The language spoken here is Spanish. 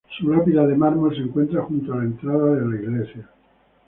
Su lápida de mármol se encuentra justo a la entrada de la iglesia.